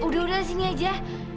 udah udah sini aja